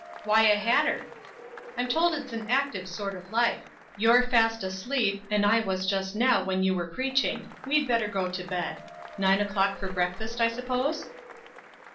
"Why a hatter?" "I'm told it's an active sort of life. You're fast asleep, and I was just now, when you were preaching. We'd better go to bed. Nine o'clock for breakfast, I suppose?"